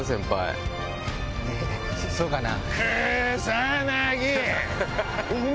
そうかな？